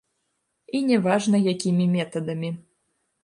І не важна, якімі метадамі.